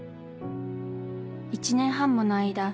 １年半もの間